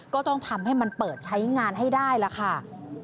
ก็ต้องทำให้มันเปิดใช้งานให้ได้ล่ะค่ะ